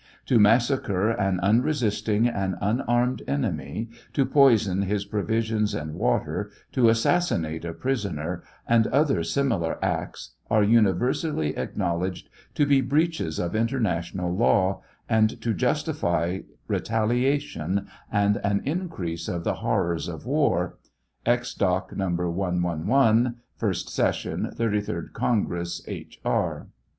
##*^# jf jf #*## To massacre an unresisting and unarmed enemy, to poison his provisions and water, to assassinate a prisoner, and other similar acts, are universally acknowledged to be breaches of international law, and to justify retalia'tion and an increase of the horrors of war. (Ex. Doc. No, 111, 1st sess. 33d Congress, H. E.)